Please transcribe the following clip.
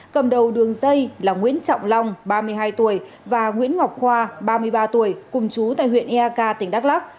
cầm đầu đường dây là nguyễn trọng long ba mươi hai tuổi và nguyễn ngọc khoa ba mươi ba tuổi cùng chú tại huyện eak tỉnh đắk lắc